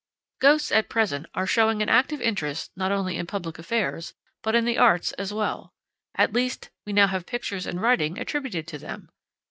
Ghosts at present are showing an active interest not only in public affairs, but in the arts as well. At least, we now have pictures and writing attributed to them.